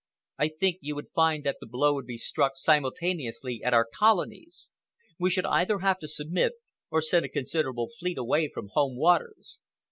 I think you would find that the blow would be struck simultaneously at our Colonies. We should either have to submit or send a considerable fleet away from home waters.